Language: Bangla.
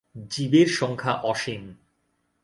জীবের সংখ্যা অসীম।